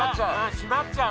閉まっちゃう？